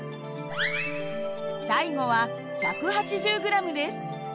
最後は１８０ｇです。